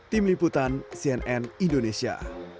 pemliputan cnn indonesia